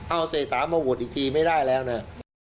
เอาเศรษฐามาโหวตอีกทีไม่ได้แล้วนะ